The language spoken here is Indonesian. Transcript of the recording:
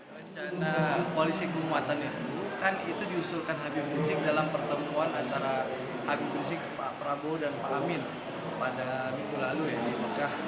rencana koalisi keumatan nu kan itu diusulkan habib rizik dalam pertemuan antara habib rizik pak prabowo dan pak amin pada minggu lalu ya di mekah